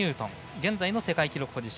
現在の世界記録保持者